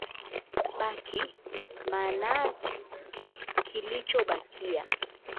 "Baki, maanake kilichobakia"